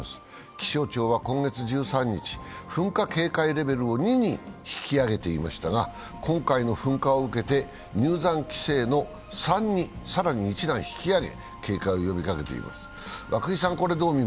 気象庁は今月１３日、噴火警戒レベルを２に引き上げていましたが、今回の噴火を受けて入山規制の３に更に１段引き上げ警戒を呼びかけています。